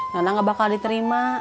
nana gak bakal diterima